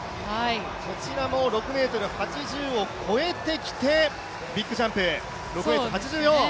こちらも６ｍ８０を越えてきてビッグジャンプ、６ｍ８４。